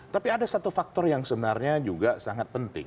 tapi ada satu faktor yang sebenarnya juga sangat penting